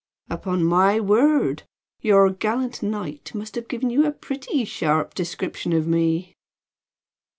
"Upon my word! Your gallant knight must have given you a pretty sharp description of me."